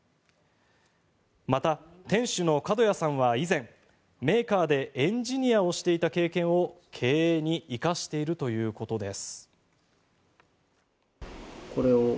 また、店主の角屋さんは以前、メーカーでエンジニアをしていた経験を経営に生かしているということです。